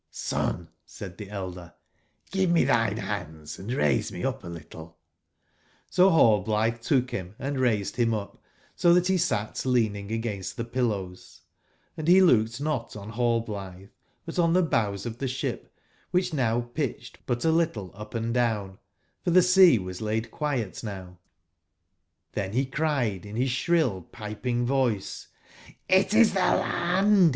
'* Son/' said tbe elder, *' give me tbine bands & raise me up a little/' So Hallblitbe took bim and raised bim up, so tbat be sat leaning against tbe pillows* Hnd be looked not on Hallblitbe, but on tbe bows of tbe sbip, wbicb now pitcbed but a little up and down, for tbe sea was laid quiet now, XTben be cried in bis sbrill, piping voice: '*lt is tbe land!